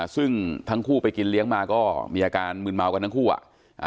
ซึ่งทั้งคู่ไปกินเลี้ยงมาก็มีอาการมืนเมากันทั้งคู่อ่ะ